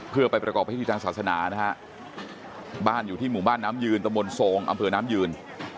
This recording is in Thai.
เพื่อไปประกอบพิธีทางศาสนานะฮะบ้านอยู่ที่หมู่บ้านน้ำยืนตะมนต์ทรงอำเภอน้ำยืน